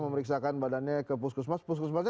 memeriksakan badannya ke puskesmas puskesmasnya